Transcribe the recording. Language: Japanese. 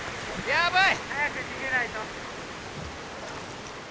やばい！